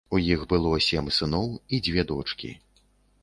У іх было сем сыноў і дзве дочкі.